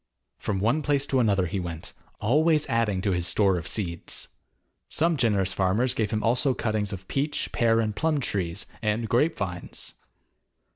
From one place to another he went, always adding to his store of seeds. Some generous farmers gave him also cuttings of peach, pear, and plum trees, and grape vines.